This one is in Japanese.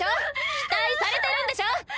期待されてるんでしょ！